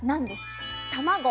卵。